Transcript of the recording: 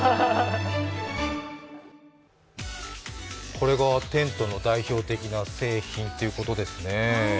これがＴＥＮＴの代表的な製品ということですね。